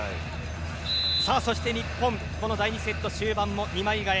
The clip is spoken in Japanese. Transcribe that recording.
そして、日本第２セット終盤も２枚替え。